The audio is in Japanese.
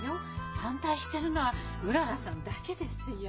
反対してるのはうららさんだけですよ。